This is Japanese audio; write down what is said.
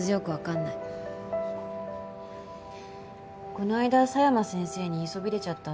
この間佐山先生に言いそびれちゃったんだけど。